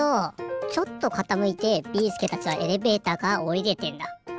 ちょっとかたむいてビーすけたちはエレベーターからおりれてんだ。